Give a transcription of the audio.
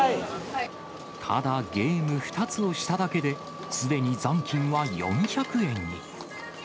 ただ、ゲーム２つをしただけで、すでに残金は４００円に。